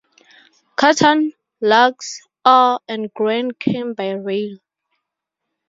Cotton, logs, ore and grain came by rail.